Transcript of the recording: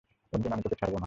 অর্জুন, আমি তোকে ছাড়বো না।